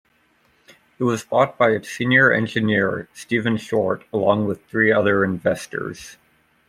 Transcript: It was bought by its senior engineer, Stephen Short, along with three other investors.